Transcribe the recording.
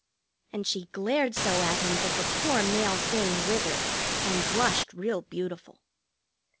And she glared so at him that the poor male thing withered, and blushed real beautiful.